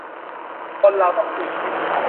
คนเราต้องสู้ชีวิต